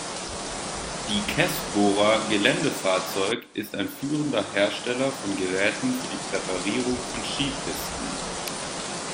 Die Kässbohrer Geländefahrzeug ist ein führender Hersteller von Geräten für die Präparierung von Skipisten.